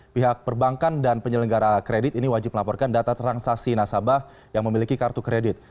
pihak perbankan dan penyelenggara kredit ini wajib melaporkan data transaksi nasabah yang memiliki kartu kredit